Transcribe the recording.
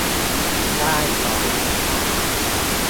ได้ของมีค่า